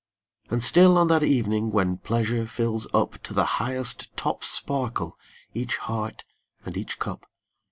And still on that evening, when pleasure fills up ID To the highest top sparkle each heart and each cup.